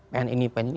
pengen ini pengen ini